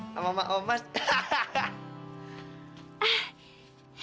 sama emak omas hahaha